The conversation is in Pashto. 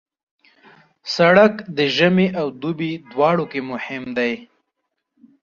سړک د ژمي او دوبي دواړو کې مهم دی.